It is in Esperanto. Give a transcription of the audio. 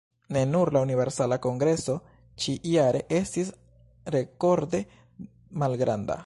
Ne nur la Universala Kongreso ĉi-jare estis rekorde malgranda.